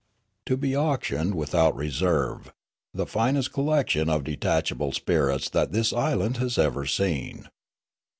' To be auctioned without reser^'e, the finest collection of detachable spirits that this island has ever seen.